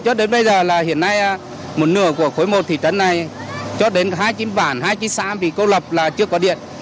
cho đến bây giờ là hiện nay một nửa của khối một thị trấn này cho đến hai chiếc bản hai chiếc xã vì câu lập là chưa có điện